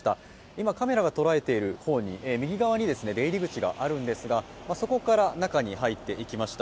今カメラが捉えている右側に出入り口があるんですが、そこから中に入ってきました。